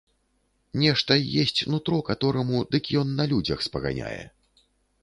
Нешта есць нутро катораму, дык ён на людзях спаганяе.